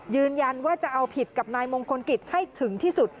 ยืนยันว่าจะเอาผิดกับนายมงคลกิจให้ถึงที่สุด